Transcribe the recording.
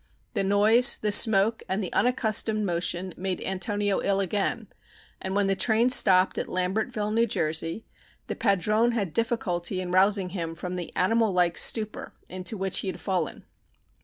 The noise, the smoke and the unaccustomed motion made Antonio ill again, and when the train stopped at Lambertville, New Jersey, the padrone had difficulty in rousing him from the animal like stupor into which he had fallen.